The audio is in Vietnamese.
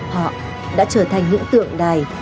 họ đã trở thành những tượng đài